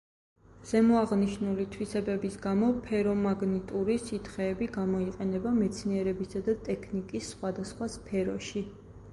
ზემოაღნიშნული თვისებების გამო ფერომაგნიტური სითხეები გამოიყენება მეცნიერებისა და ტექნიკის სხვადასხვა სფეროში.